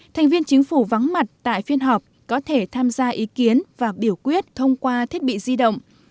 thành viên chính phủ vắng mặt tại phiên họp có thể tham gia ý kiến và biểu quyết thông qua thiết bị di động